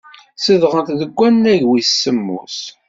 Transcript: Zedɣent deg wannag wis semmus.